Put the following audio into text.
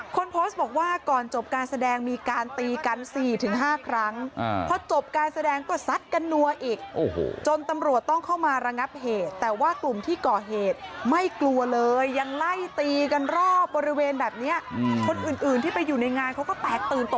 คนอื่นที่ไปอยู่ในงานเขาก็แปลกตื่นตกใจกันนะคะ